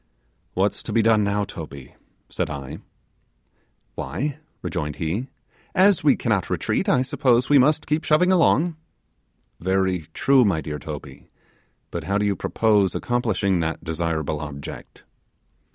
'What's to be done now, Toby?' said I. 'Why,' rejoined he, 'as we cannot retreat, I suppose we must keep shoving along.' 'Very true, my dear Toby; but how do you purpose accomplishing that desirable object?